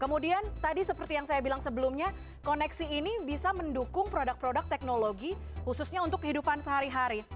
kemudian tadi seperti yang saya bilang sebelumnya koneksi ini bisa mendukung produk produk teknologi khususnya untuk kehidupan sehari hari